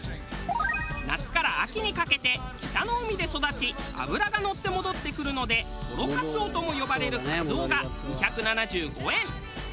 夏から秋にかけて北の海で育ち脂が乗って戻ってくるのでトロカツオとも呼ばれるカツオが２７５円。